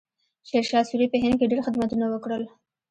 شیرشاه سوري په هند کې ډېر خدمتونه وکړل.